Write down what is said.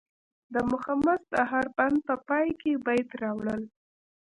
د مخمس د هر بند په پای کې بیت راوړل.